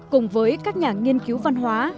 cùng với các nhà nghiên cứu văn hóa